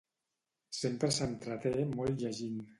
Sempre s'entreté molt llegint.